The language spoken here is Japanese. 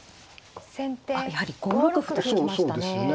やはり５六歩と突きましたね。